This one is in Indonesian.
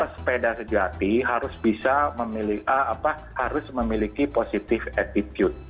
jadi sepeda yang diganti harus bisa memiliki positive attitude